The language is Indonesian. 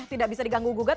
tidak bisa diganggu gugat